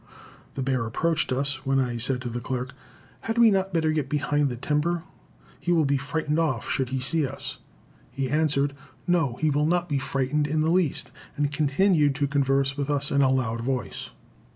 The bear approached us, when I said to the clerk, "Had not we better get behind the timber? He will be frightened off should he see us." He answered, "No, he will not be frightened in the least," and continued to converse with us in a loud voice.